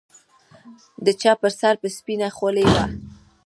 د چا پر سر به سپينه خولۍ وه.